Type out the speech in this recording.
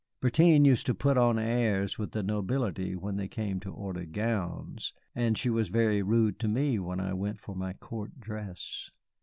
Bertin used to put on airs with the nobility when they came to order gowns, and she was very rude to me when I went for my court dress.